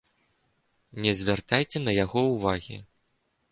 Не звяртайце на яго ўвагі.